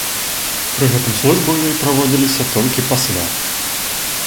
Пры гэтым службы ў ёй праводзіліся толькі па святах.